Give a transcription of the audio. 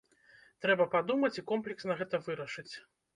Трэба падумаць і комплексна гэта вырашыць.